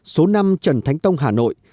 số năm trần thánh tông hà nội